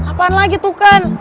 apaan lagi tuh kan